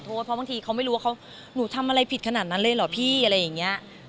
เพราะบางทีเขาไม่รู้ว่าเขาหนูทำอะไรผิดขนาดนั้นเลยเหรอพี่อะไรอย่างนี้